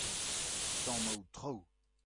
tammoù traoù.